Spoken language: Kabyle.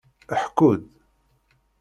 Ḥku-d!